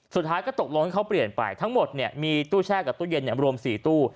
สุดท้ายก็ตกลงให้เขาเปลี่ยนไปทั้งหมดมีตู้แช่กับตู้เย็นรวม๔ตู้